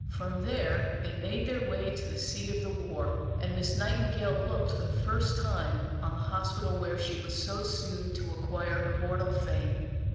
From there they made their way to the seat of the war, and Miss Nightingale looked for the first time on the hospital where she was so soon to acquire immortal fame.